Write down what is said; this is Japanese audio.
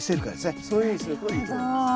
そういうふうにするといいと思います。